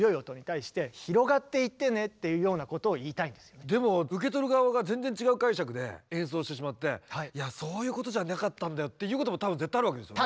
この「ターン」っていうでも受け取る側が全然違う解釈で演奏してしまって「いやそういうことじゃなかったんだよ」っていうことも多分絶対あるわけですよね。